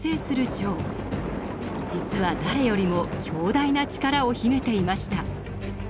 実は誰よりも強大な力を秘めていました。